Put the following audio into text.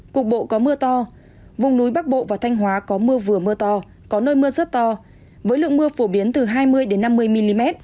cục bộ có mưa to vùng núi bắc bộ và thanh hóa có mưa vừa mưa to có nơi mưa rất to với lượng mưa phổ biến từ hai mươi năm mươi mm